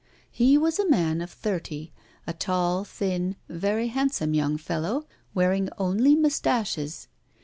He was a man of thirty, a tall, thin, very handsome young fellow, wearing only mustaches.